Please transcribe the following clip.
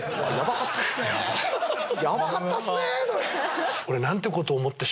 ヤバかったっすね。